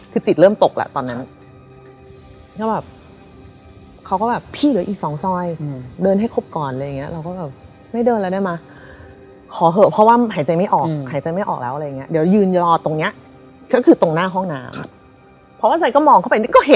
เขาก็เรียกฆ่าตัวไป